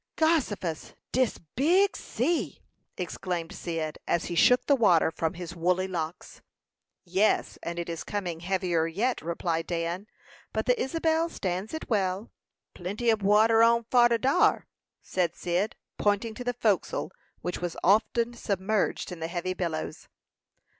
"Gossifus! Dis big sea!" exclaimed Cyd, as he shook the water from his woolly locks. "Yes, and it is coming heavier yet," replied Dan. "But the Isabel stands it well." "Plenty ob water on fora'd dar," said Cyd, pointing to the forecastle, which was often submerged in the heavy billows.